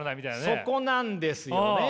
そこなんですよね。